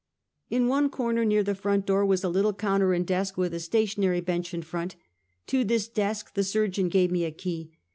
" In one corner, near the front door, was a little counter and desk, with a stationary bench in front. To this desk the surgeon gave me a key.